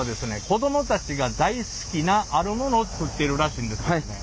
子どもたちが大好きなあるモノを作ってるらしいんですけどね。